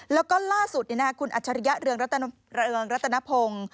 แล้วก็ล่าสุดคุณอัจฉริยะเรืองรัตนพงศ์